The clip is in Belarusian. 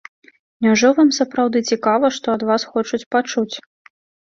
Няўжо вам сапраўды цікава, што ад вас хочуць пачуць?